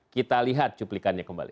kita lihat cuplikannya kembali